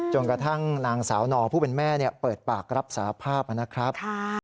กระทั่งนางสาวนอผู้เป็นแม่เปิดปากรับสาภาพนะครับ